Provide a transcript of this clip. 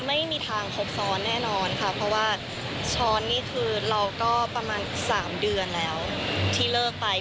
ไม่มีทางครบซ้อนแน่นอนค่ะเพราะว่าช้อนนี่คือเราก็ประมาณ๓เดือนแล้วที่เลิกไป